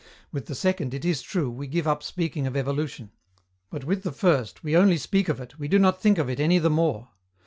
With the second, it is true, we give up speaking of evolution. But, with the first, we only speak of it, we do not think of it any the more.